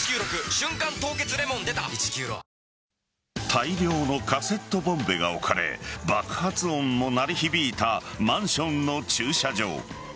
大量のカセットボンベが置かれ爆発音も鳴り響いたマンションの駐車場。